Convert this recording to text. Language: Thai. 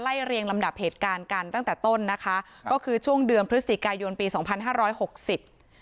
เรียงลำดับเหตุการณ์กันตั้งแต่ต้นนะคะก็คือช่วงเดือนพฤศจิกายนปีสองพันห้าร้อยหกสิบ